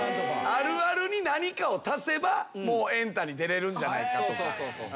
あるあるに何かを足せば『エンタ』に出られるんじゃないかとか。